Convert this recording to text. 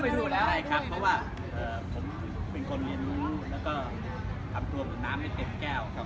เพราะว่าผมเป็นคนเย็นรู้ทำตัวผู้น้ำไม่เต็มแก้ว